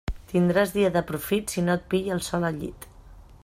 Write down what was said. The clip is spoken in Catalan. Tindràs dia de profit si no et pilla el sol al llit.